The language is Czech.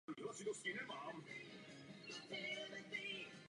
Jednou z takových společných hodnot je náboženská svoboda.